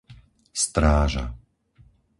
Stráža